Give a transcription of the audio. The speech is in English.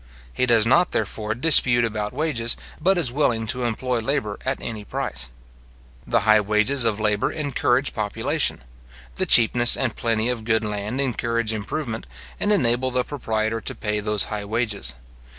He does not, therefore, dispute about wages, but is willing to employ labour at any price. The high wages of labour encourage population. The cheapness and plenty of good land encourage improvement, and enable the proprietor to pay those high wages.